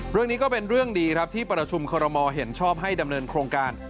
เรื่องนี้ก็เป็นเรื่องดีครับที่ประชุมคอรมอลเห็นชอบให้ดำเนินโครงการ